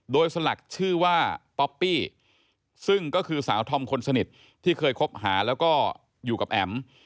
โดยสลักชื่อว่าป๊อปปี้ซึ่งก็คือสาวธอมคนสนิทที่เคยคบหาแล้วก็อยู่กับแอ๋ม